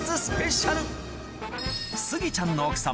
スペシャル